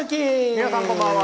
皆さん、こんばんは。